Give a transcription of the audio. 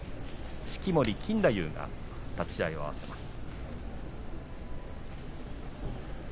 式守錦太夫が立ち合いを合わせます。